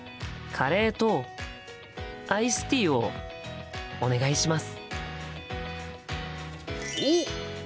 「カレーとアイスティーをお願いします」。